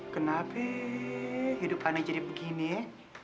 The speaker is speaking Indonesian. kenapa hidup aneh jadi begini